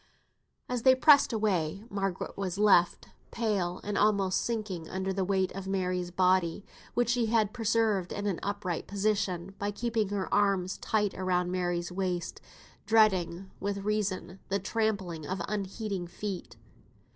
As they pressed away, Margaret was left, pale and almost sinking under the weight of Mary's body, which she had preserved in an upright position by keeping her arms tight round Mary's waist, dreading, with reason, the trampling of unheeding feet.